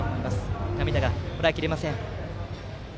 涙をこらえ切れません。